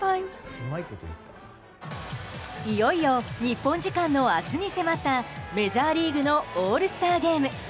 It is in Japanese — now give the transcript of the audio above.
いよいよ日本時間の明日に迫ったメジャーリーグのオールスターゲーム。